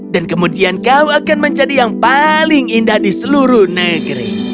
dan kemudian kau akan menjadi yang paling indah di seluruh negeri